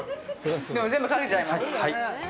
でも全部かけちゃいます。